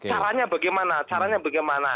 caranya bagaimana caranya bagaimana